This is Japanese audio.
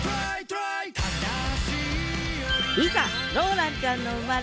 いざローランちゃんの生まれ